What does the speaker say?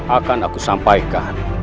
akan aku sampaikan